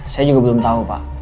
suk dial tubuh